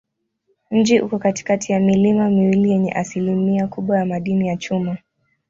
Mji uko katikati ya milima miwili yenye asilimia kubwa ya madini ya chuma.